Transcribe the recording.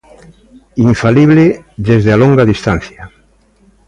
Infalible desde a longa distancia.